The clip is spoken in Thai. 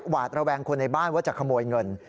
หวาดระแวงคนในบ้านว่าจะขโมยเงิน